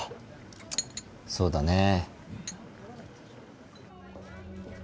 そうだねえ。